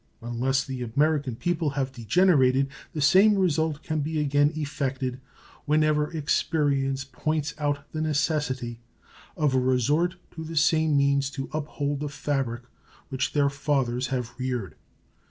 Unless the American people have degenerated, the same result can be again effected when ever experience points out the necessity of a resort to the same means to uphold the fabric which their fathers have reared.